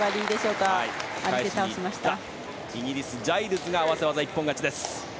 イギリス、ジャイルズが合わせ技一本勝ちです。